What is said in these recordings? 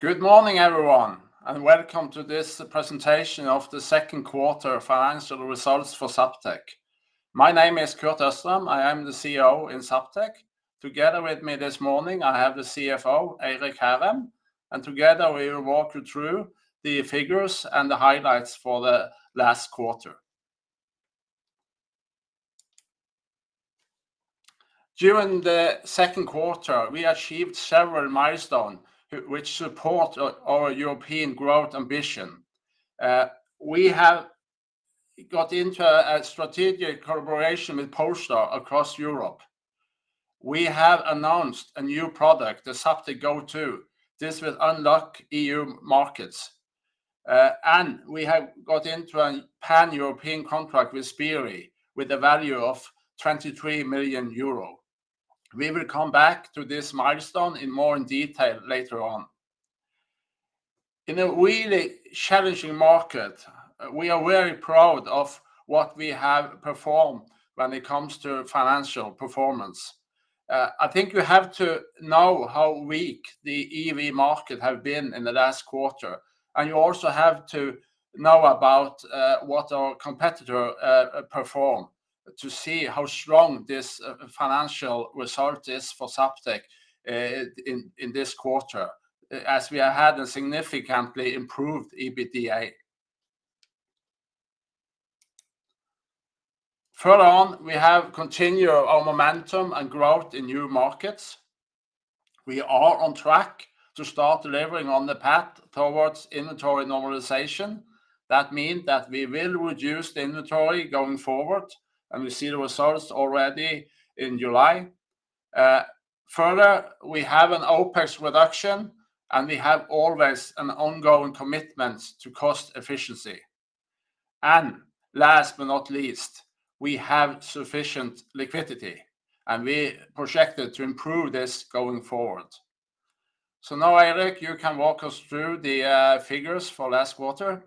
Good morning, everyone, and welcome to this presentation of the second quarter financial results for Zaptec. My name is Kurt Østrem. I am the CEO in Zaptec. Together with me this morning, I have the CFO, Eirik Hærem, and together we will walk you through the figures and the highlights for the last quarter. During the second quarter, we achieved several milestones which support our European growth ambition. We have got into a strategic collaboration with PostNord across Europe. We have announced a new product, the Zaptec Go 2. This will unlock EU markets, and we have got into a pan-European contract with Spirii with a value of 23 million euro. We will come back to this milestone in more detail later on. In a really challenging market, we are very proud of what we have performed when it comes to financial performance. I think you have to know how weak the EV market have been in the last quarter, and you also have to know about what our competitor perform to see how strong this financial result is for Zaptec in this quarter, as we have had a significantly improved EBITDA. Further on, we have continued our momentum and growth in new markets. We are on track to start delivering on the path towards inventory normalization. That mean that we will reduce the inventory going forward, and we see the results already in July. Further, we have an OpEx reduction, and we have always an ongoing commitment to cost efficiency. And last but not least, we have sufficient liquidity, and we projected to improve this going forward. So now, Eirik, you can walk us through the figures for last quarter.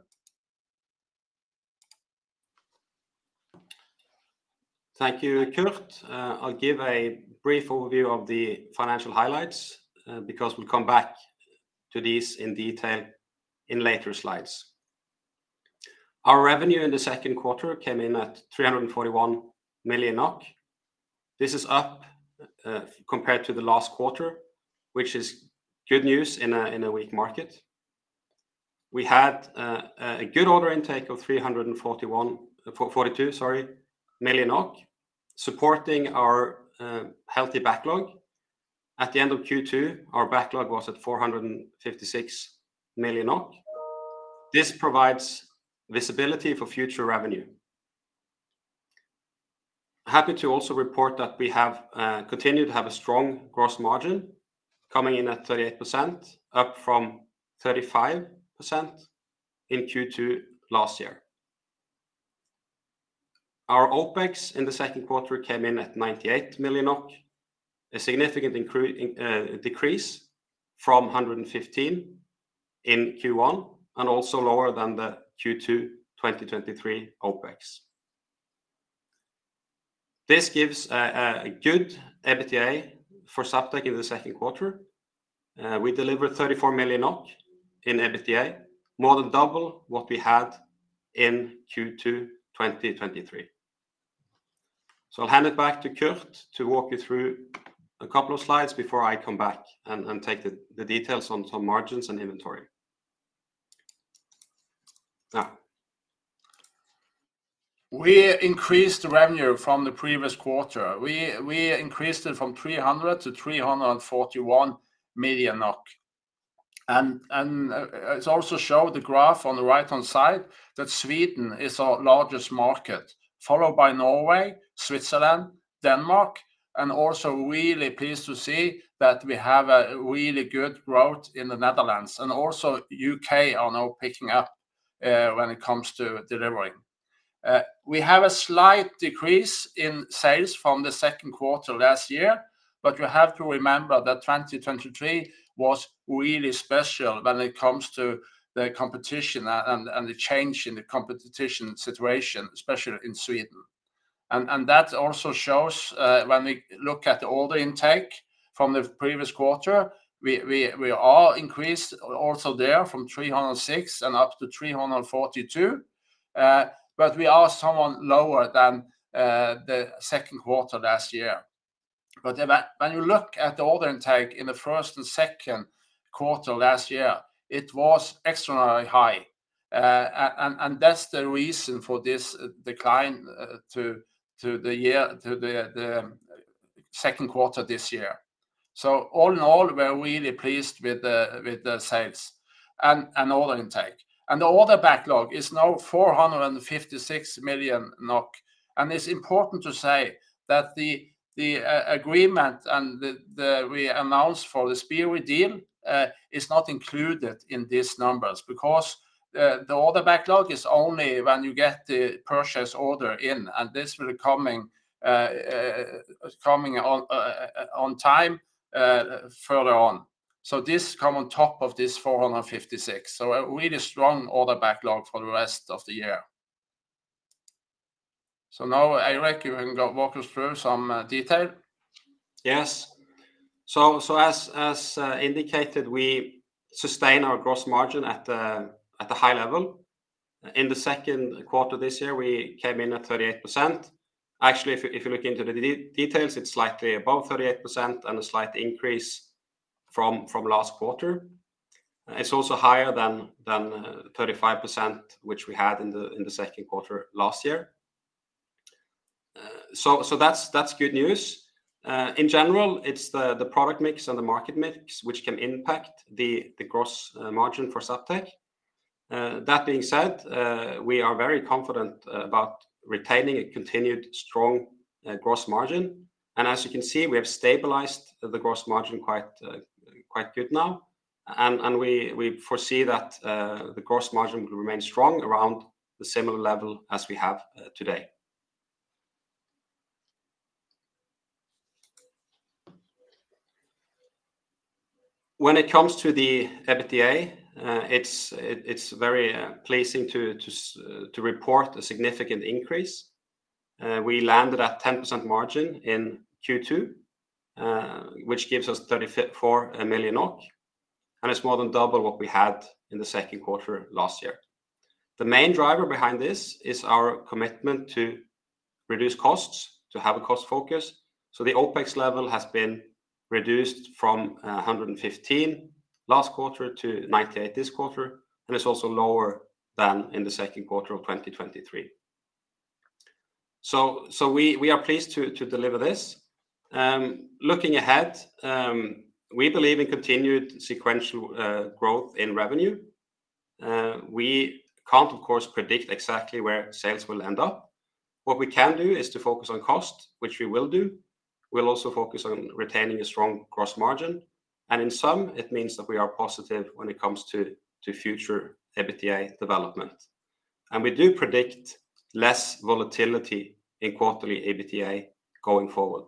Thank you, Kurt. I'll give a brief overview of the financial highlights, because we'll come back to these in detail in later slides. Our revenue in the second quarter came in at 341 million NOK. This is up compared to the last quarter, which is good news in a weak market. We had a good order intake of 342 million NOK, supporting our healthy backlog. At the end of Q2, our backlog was at 456 million NOK. This provides visibility for future revenue. Happy to also report that we have continued to have a strong gross margin, coming in at 38%, up from 35% in Q2 last year. Our OpEx in the second quarter came in at 98 million NOK, a significant decrease from 115 in Q1, and also lower than the Q2 2023 OpEx. This gives a good EBITDA for Zaptec in the second quarter. We delivered 34 million NOK in EBITDA, more than double what we had in Q2 2023. I'll hand it back to Kurt to walk you through a couple of slides before I come back and take the details on some margins and inventory. We increased revenue from the previous quarter. We increased it from 300 to 341 million NOK, and it's also showing the graph on the right-hand side that Sweden is our largest market, followed by Norway, Switzerland, Denmark, and also really pleased to see that we have a really good growth in the Netherlands, and also U.K. are now picking up when it comes to delivering. We have a slight decrease in sales from the second quarter last year, but you have to remember that 2023 was really special when it comes to the competition and the change in the competition situation, especially in Sweden. That also shows when we look at the order intake from the previous quarter. We are increased also there from 306-342, but we are somewhat lower than the second quarter last year. Then when you look at the order intake in the first and second quarter last year, it was extraordinarily high. And that's the reason for this decline to the second quarter this year. All in all, we're really pleased with the sales and order intake. And the order backlog is now 456 million NOK, and it's important to say that the agreement and the we announced for the Spirii deal is not included in these numbers because the order backlog is only when you get the purchase order in, and this will coming on time further on. So this come on top of this 456, so a really strong order backlog for the rest of the year. So now, Eirik, you can go walk us through some detail. Yes. So as indicated, we sustain our gross margin at the high level. In the second quarter this year, we came in at 38%. Actually, if you look into the details, it's slightly above 38% and a slight increase from last quarter. It's also higher than 35%, which we had in the second quarter last year. So that's good news. In general, it's the product mix and the market mix, which can impact the gross margin for Zaptec. That being said, we are very confident about retaining a continued strong gross margin. As you can see, we have stabilized the gross margin quite good now, and we foresee that the gross margin will remain strong around the similar level as we have today. When it comes to the EBITDA, it's very pleasing to report a significant increase. We landed at 10% margin in Q2, which gives us 34 million, and it's more than double what we had in the second quarter last year. The main driver behind this is our commitment to reduce costs, to have a cost focus, so the OpEx level has been reduced from 115 last quarter to 98 this quarter, and it's also lower than in the second quarter of 2023. We are pleased to deliver this. Looking ahead, we believe in continued sequential growth in revenue. We can't, of course, predict exactly where sales will end up. What we can do is to focus on cost, which we will do. We'll also focus on retaining a strong gross margin, and in sum, it means that we are positive when it comes to future EBITDA development, and we do predict less volatility in quarterly EBITDA going forward,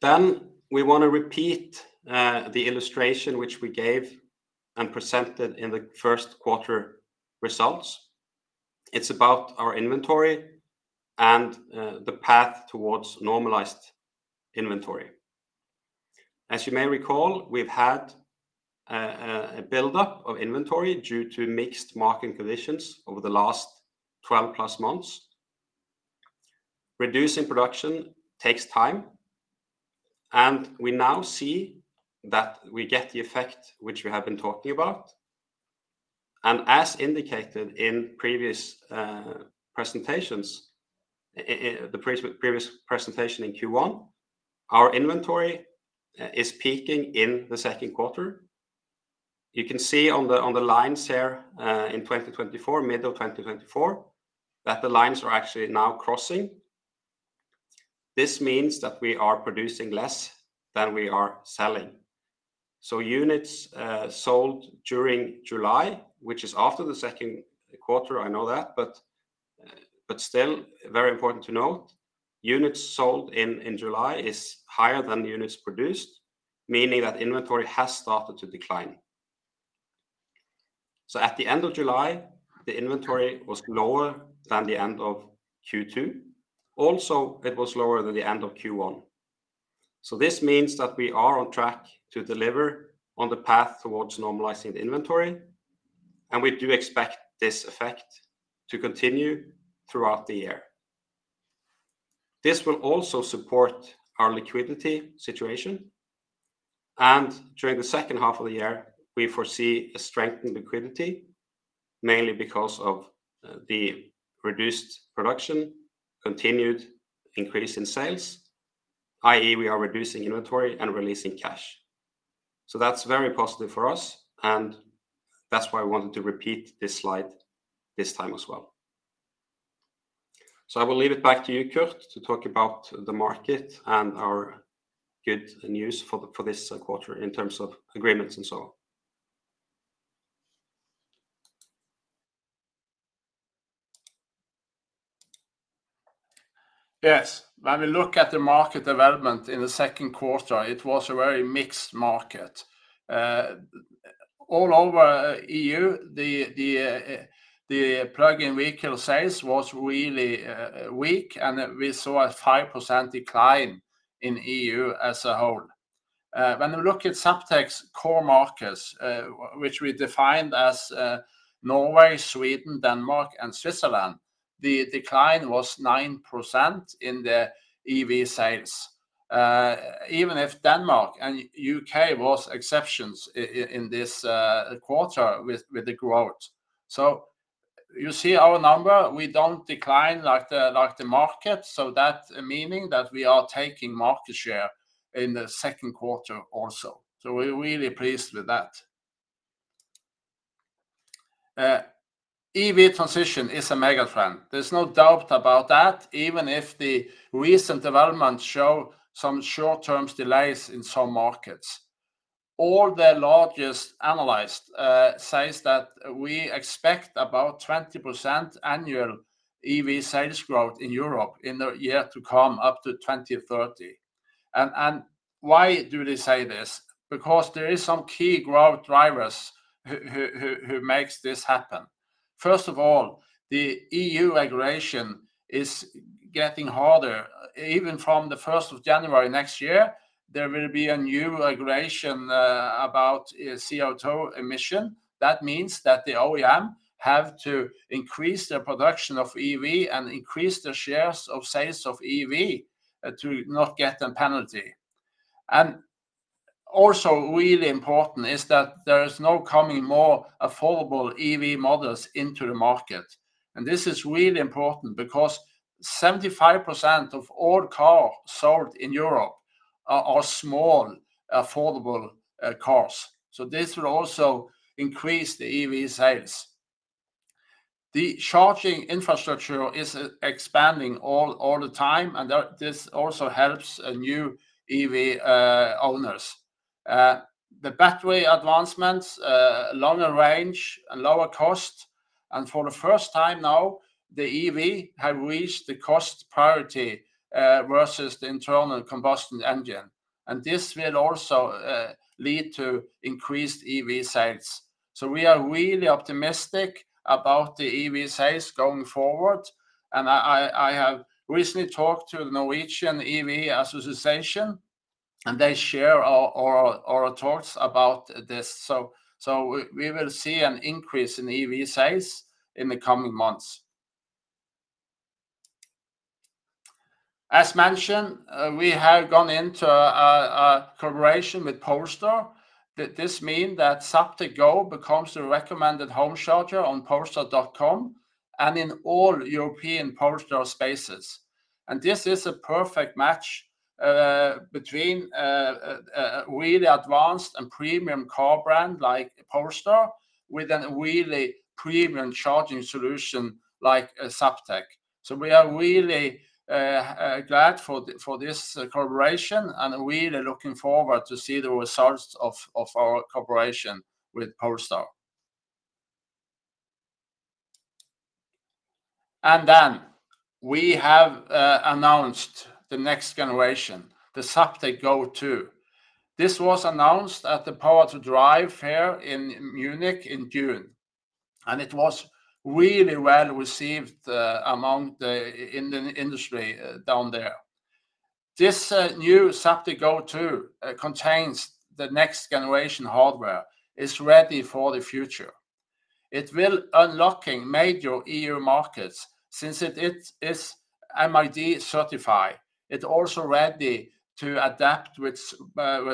then we wanna repeat the illustration which we gave and presented in the first quarter results. It's about our inventory and the path towards normalized inventory. As you may recall, we've had a build-up of inventory due to mixed market conditions over the last twelve-plus months. Reducing production takes time, and we now see that we get the effect which we have been talking about. And as indicated in previous presentations, the previous presentation in Q1, our inventory is peaking in the second quarter. You can see on the lines here, in 2024, middle of 2024, that the lines are actually now crossing. This means that we are producing less than we are selling. So units sold during July, which is after the second quarter, I know that, but still very important to note, units sold in July is higher than the units produced, meaning that inventory has started to decline. So at the end of July, the inventory was lower than the end of Q2. Also, it was lower than the end of Q1. So this means that we are on track to deliver on the path towards normalizing the inventory, and we do expect this effect to continue throughout the year. This will also support our liquidity situation, and during the second half of the year, we foresee a strengthened liquidity, mainly because of the reduced production, continued increase in sales, i.e., we are reducing inventory and releasing cash. So that's very positive for us, and that's why I wanted to repeat this slide this time as well. So I will leave it back to you, Kurt, to talk about the market and our good news for this quarter in terms of agreements and so on. Yes. When we look at the market development in the second quarter, it was a very mixed market. All over EU, the plug-in vehicle sales was really weak, and we saw a 5% decline in EU as a whole. When you look at Zaptec's core markets, which we defined as Norway, Sweden, Denmark, and Switzerland, the decline was 9% in the EV sales. Even if Denmark and UK was exceptions in this quarter with the growth. So you see our number, we don't decline like the market, so that's meaning that we are taking market share in the second quarter also. So we're really pleased with that. EV transition is a mega trend. There's no doubt about that, even if the recent developments show some short-term delays in some markets. All the largest analysts says that we expect about 20% annual EV sales growth in Europe in the year to come up to 2030. And why do they say this? Because there is some key growth drivers who makes this happen. First of all, the EU regulation is getting harder. Even from the 1st of January next year, there will be a new regulation about CO2 emission. That means that the OEM have to increase their production of EV and increase their shares of sales of EV to not get a penalty. And also really important is that there is now coming more affordable EV models into the market, and this is really important because 75% of all cars sold in Europe are small, affordable cars. So this will also increase the EV sales. The charging infrastructure is expanding all the time, and that this also helps new EV owners. The battery advancements, longer range and lower cost, and for the first time now, the EV have reached the cost parity versus the internal combustion engine, and this will also lead to increased EV sales. So we are really optimistic about the EV sales going forward, and I have recently talked to the Norwegian EV Association, and they share our thoughts about this. So we will see an increase in EV sales in the coming months. As mentioned, we have gone into a collaboration with Polestar. That this mean that Zaptec Go becomes the recommended home charger on Polestar.com and in all European Polestar Spaces. This is a perfect match between a really advanced and premium car brand like Polestar with a really premium charging solution like Zaptec. We are really glad for this collaboration, and really looking forward to see the results of our collaboration with Polestar. We have announced the next generation, the Zaptec Go 2. This was announced at the Power2Drive fair in Munich in June, and it was really well received in the industry down there. This new Zaptec Go 2 contains the next-generation hardware. It's ready for the future. It will unlocking major EU markets since it is MID-certified. It's also ready to adapt with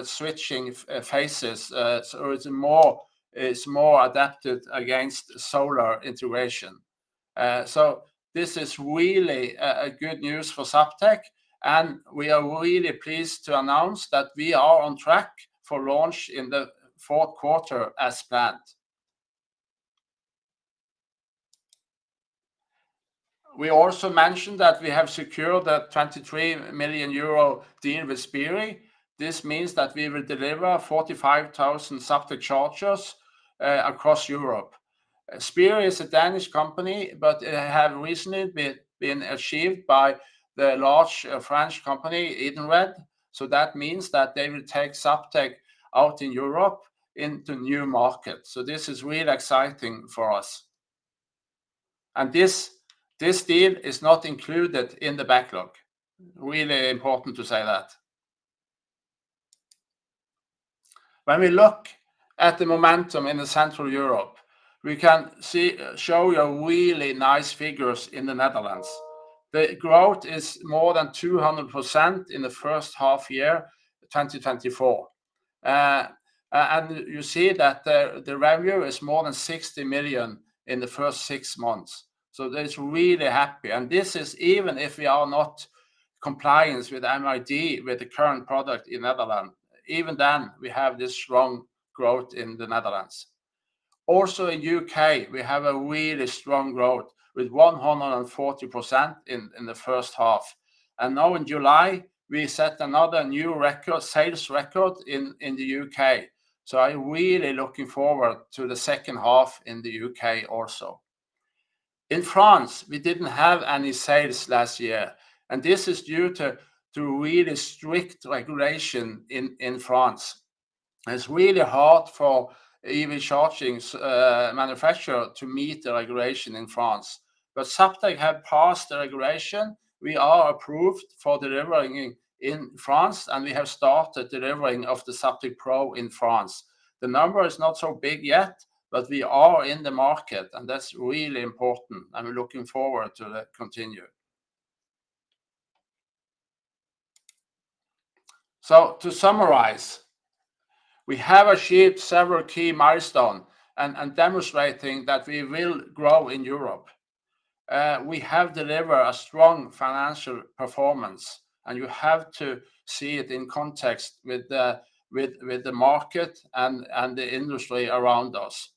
switching phases, so it's more adapted against solar integration. This is really a good news for Zaptec, and we are really pleased to announce that we are on track for launch in the fourth quarter as planned. We also mentioned that we have secured a 23 million euro deal with Spirii. This means that we will deliver 45,000 Zaptec chargers across Europe. Spirii is a Danish company, but it have recently been acquired by the large French company Edenred, so that means that they will take Zaptec out in Europe into new markets. This is really exciting for us, and this deal is not included in the backlog. Really important to say that. When we look at the momentum in the Central Europe, we can show you really nice figures in the Netherlands. The growth is more than 200% in the first half year, 2024. And you see that the revenue is more than 60 million in the first six months, so that's really happy. And this is even if we are not compliance with MID, with the current product in Netherlands, even then, we have this strong growth in the Netherlands. Also in U.K., we have a really strong growth, with 140% in the first half. And now in July, we set another new record sales record in the U.K. So I'm really looking forward to the second half in the U.K. also. In France, we didn't have any sales last year, and this is due to really strict regulation in France. It's really hard for EV charging's manufacturer to meet the regulation in France. But Zaptec have passed the regulation. We are approved for delivering in France, and we have started delivering of the Zaptec Pro in France. The number is not so big yet, but we are in the market, and that's really important, and we're looking forward to that continue. So to summarize, we have achieved several key milestone and demonstrating that we will grow in Europe. We have delivered a strong financial performance, and you have to see it in context with the market and the industry around us.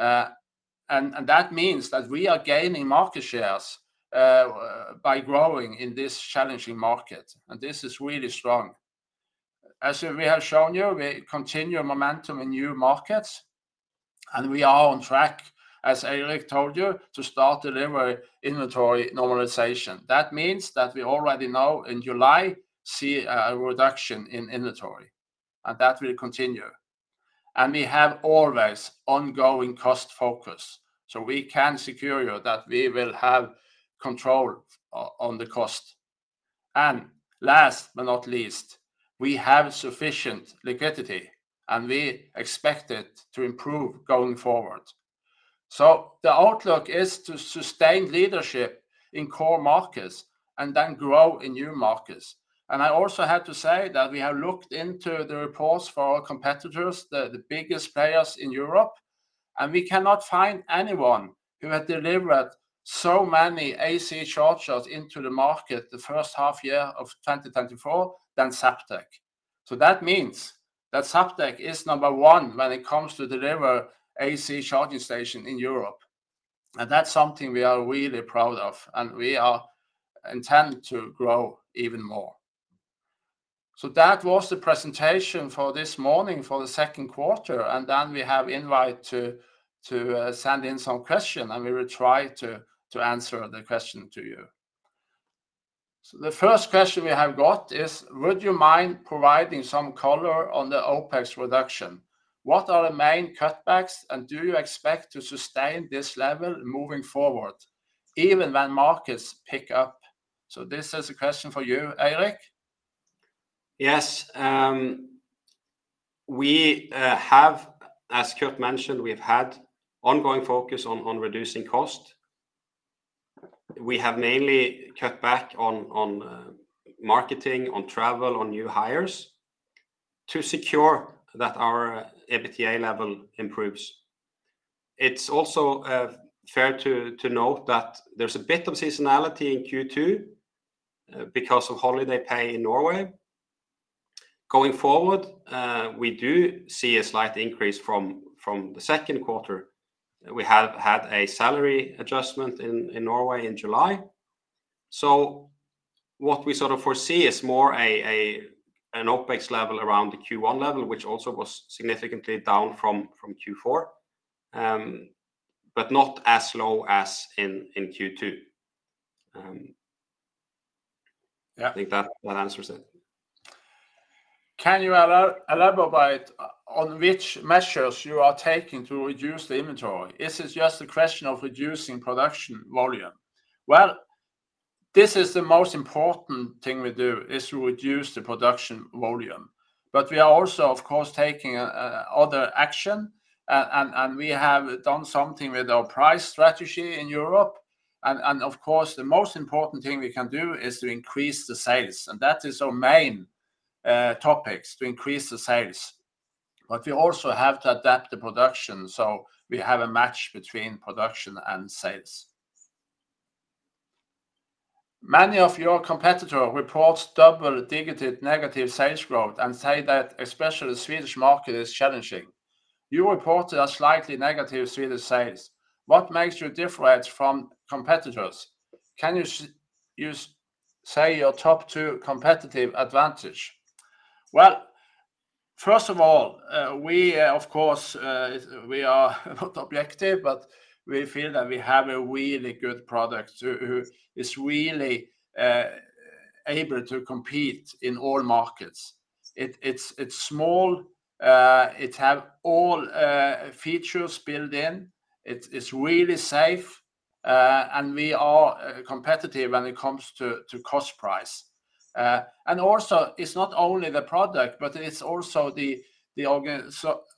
And that means that we are gaining market shares by growing in this challenging market, and this is really strong. As we have shown you, we continue our momentum in new markets... and we are on track, as Eirik told you, to start deliver inventory normalization. That means that we already know in July see a reduction in inventory, and that will continue. And we have always ongoing cost focus, so we can secure you that we will have control on the cost. And last but not least, we have sufficient liquidity, and we expect it to improve going forward. So the outlook is to sustain leadership in core markets and then grow in new markets. And I also have to say that we have looked into the reports for our competitors, the biggest players in Europe, and we cannot find anyone who has delivered so many AC chargers into the market the first half year of 2024 than Zaptec. So that means that Zaptec is number one when it comes to deliver AC charging station in Europe, and that's something we are really proud of, and we are intend to grow even more. So that was the presentation for this morning for the second quarter, and then we have invite to send in some question, and we will try to answer the question to you. So the first question we have got is: Would you mind providing some color on the OpEx reduction? What are the main cutbacks, and do you expect to sustain this level moving forward, even when markets pick up? So this is a question for you, Eirik. Yes, we have, as Kurt mentioned, we've had ongoing focus on reducing cost. We have mainly cut back on marketing, on travel, on new hires, to secure that our EBITDA level improves. It's also fair to note that there's a bit of seasonality in Q2 because of holiday pay in Norway. Going forward, we do see a slight increase from the second quarter. We have had a salary adjustment in Norway in July. So what we sort of foresee is more an OpEx level around the Q1 level, which also was significantly down from Q4, but not as low as in Q2. Yeah. I think that one answers it. Can you elaborate on which measures you are taking to reduce the inventory? Is it just a question of reducing production volume? Well, this is the most important thing we do, is to reduce the production volume, but we are also, of course, taking other action. And we have done something with our price strategy in Europe, and, of course, the most important thing we can do is to increase the sales, and that is our main topics, to increase the sales. But we also have to adapt the production, so we have a match between production and sales. Many of your competitors report double-digit negative sales growth and say that especially the Swedish market is challenging. You reported a slightly negative Swedish sales. What makes you different from competitors? Can you say your top two competitive advantages? First of all, we, of course, we are not objective, but we feel that we have a really good product that is really able to compete in all markets. It's small, it have all features built in, it's really safe, and we are competitive when it comes to cost price. Also, it's not only the product, but it's also the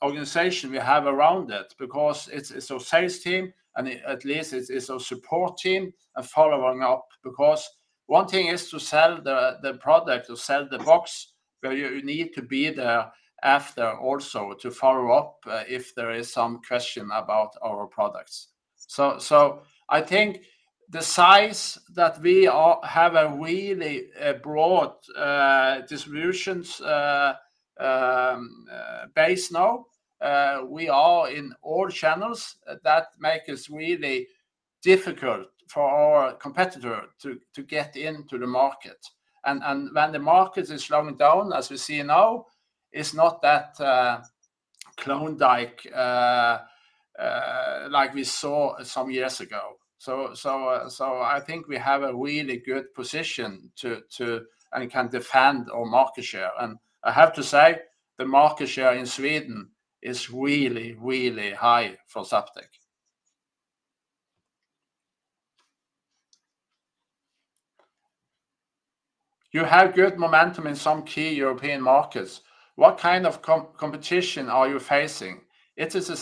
organization we have around it, because it's our sales team, and also it's our support team and following up, because one thing is to sell the product, to sell the box, but you need to be there after also to follow up if there is some question about our products. I think the size that we have a really broad distribution base now. We are in all channels that make us really difficult for our competitor to get into the market. And when the market is slowing down, as we see now, it's not that Klondike like we saw some years ago. I think we have a really good position to... and can defend our market share. And I have to say, the market share in Sweden is really, really high for Zaptec. You have good momentum in some key European markets. What kind of competition are you facing? It is the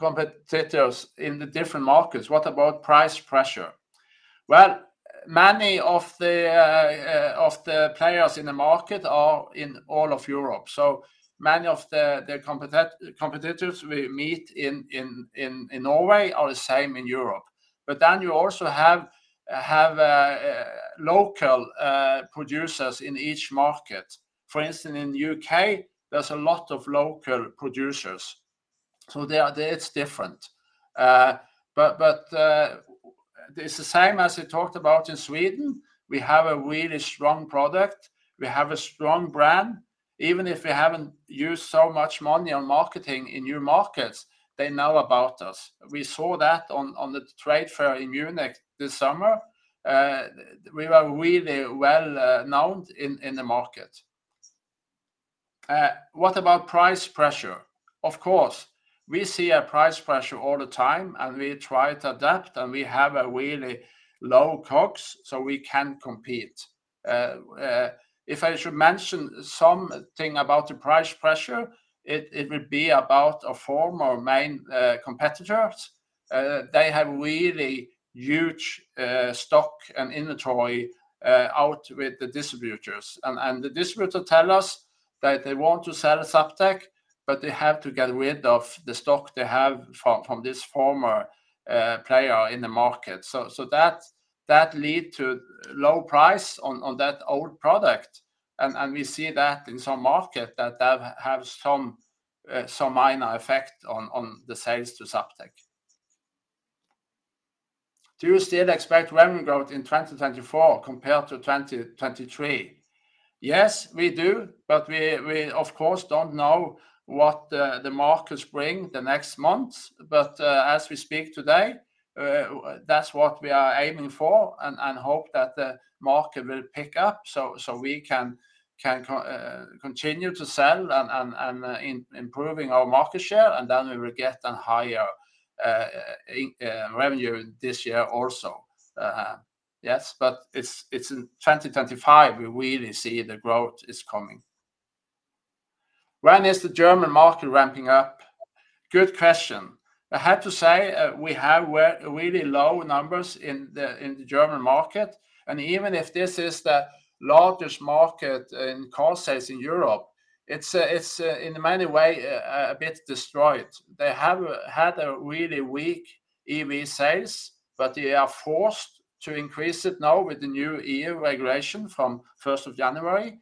same competitors in the different markets. What about price pressure? Well, many of the players in the market are in all of Europe. So many of the competitors we meet in Norway are the same in Europe. But then you also have local producers in each market. For instance, in U.K., there's a lot of local producers. So they are. It's different. But it's the same as we talked about in Sweden. We have a really strong product. We have a strong brand. Even if we haven't used so much money on marketing in new markets, they know about us. We saw that on the trade fair in Munich this summer. We were really well known in the market. What about price pressure? Of course, we see a price pressure all the time, and we try to adapt, and we have a really low cost, so we can compete. If I should mention something about the price pressure, it would be about a former main competitor. They have really huge stock and inventory out with the distributors. And the distributor tell us that they want to sell Zaptec, but they have to get rid of the stock they have from this former player in the market. So that lead to low price on that old product, and we see that in some market that have some minor effect on the sales to Zaptec. Do you still expect revenue growth in 2024 compared to 2023? Yes, we do, but we, of course, don't know what the market bring the next months. But, as we speak today, that's what we are aiming for, so we can continue to sell and improving our market share, and then we will get a higher revenue this year also. Yes, but it's in 2025 we really see the growth is coming. When is the German market ramping up? Good question. I have to say, we have really low numbers in the German market, and even if this is the largest market in car sales in Europe, it's in many way a bit destroyed. They have had a really weak E.V. sales, but they are forced to increase it now with the new E.U. regulation from 1st of January.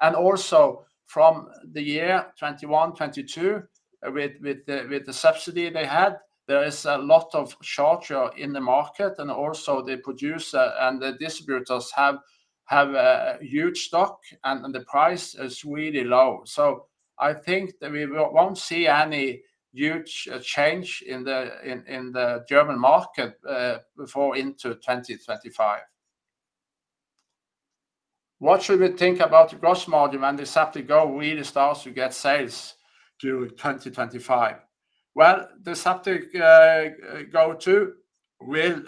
Also from the year 2021, 2022, with the subsidy they had, there is a lot of charger in the market. Also the producer and the distributors have a huge stock, and the price is really low. I think that we won't see any huge change in the German market before into 2025. What should we think about the gross margin when the Zaptec Go really starts to get sales during 2025? Well, the Zaptec Go 2 will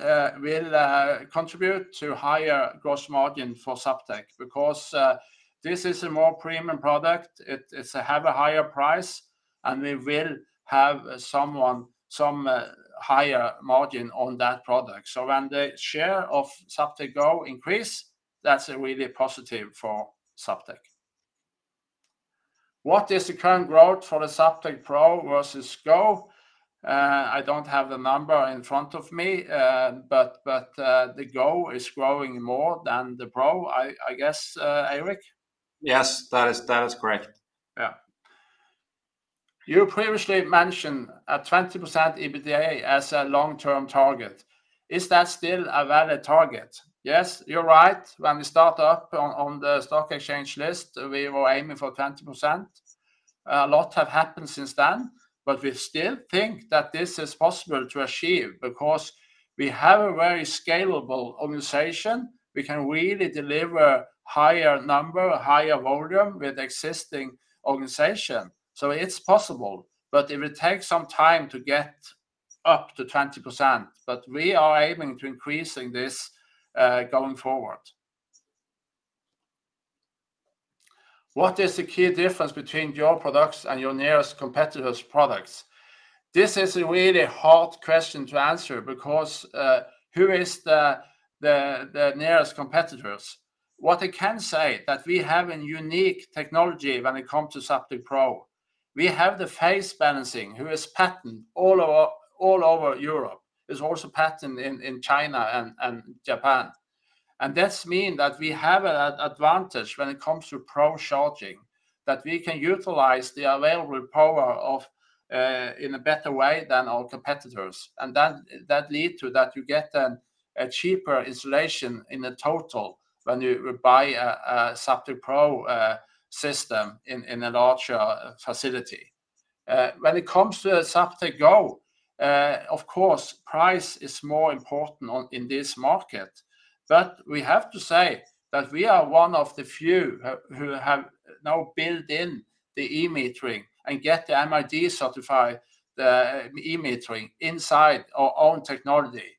contribute to higher gross margin for Zaptec, because this is a more premium product. It's have a higher price, and we will have some higher margin on that product. So when the share of Zaptec Go increase, that's really positive for Zaptec. What is the current growth for the Zaptec Pro versus Go? I don't have the number in front of me. But the Go is growing more than the Pro, I guess, Eirik? Yes, that is correct. Yeah. You previously mentioned a 20% EBITDA as a long-term target. Is that still a valid target? Yes, you're right. When we start up on the stock exchange list, we were aiming for 20%. A lot have happened since then, but we still think that this is possible to achieve, because we have a very scalable organization. We can really deliver higher number, higher volume with existing organization. So it's possible, but it will take some time to get up to 20%, but we are aiming to increasing this, going forward. What is the key difference between your products and your nearest competitors' products? This is a really hard question to answer because, who is the nearest competitors? What I can say, that we have a unique technology when it comes to Zaptec Pro. We have the phase balancing, who is patented all over Europe. It's also patented in China and Japan. And this mean that we have an advantage when it comes to Pro charging, that we can utilize the available power in a better way than our competitors. And that lead to that you get a cheaper installation in total when you buy a Zaptec Pro system in a larger facility. When it comes to Zaptec Go, of course, price is more important in this market. But we have to say that we are one of the few who have now built in the e-metering and get the MID-certified, the e-metering inside our own technology.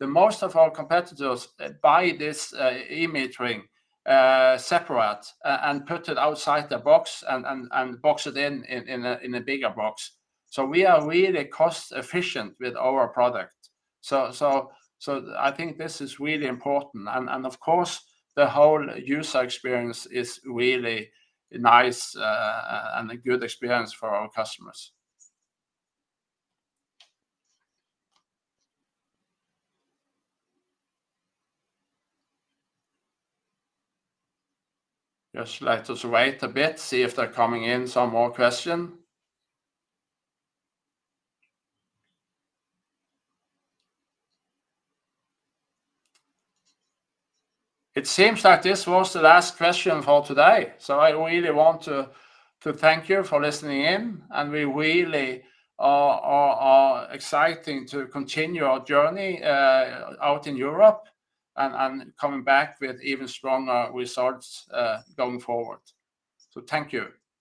The most of our competitors buy this e-metering separate and put it outside the box and box it in a bigger box. So we are really cost-efficient with our product. So I think this is really important. And of course, the whole user experience is really nice and a good experience for our customers. Just let us wait a bit, see if they're coming in, some more question. It seems like this was the last question for today, so I really want to thank you for listening in, and we really are exciting to continue our journey out in Europe and coming back with even stronger results going forward. So thank you.